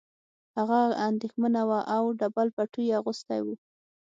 هغه اندېښمنه وه او ډبل پټو یې اغوستی و